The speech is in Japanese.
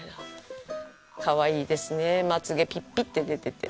かわいいですねまつげピッピッて出てて。